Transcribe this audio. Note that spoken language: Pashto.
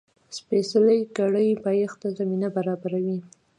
سپېڅلې کړۍ پایښت ته زمینه برابروي.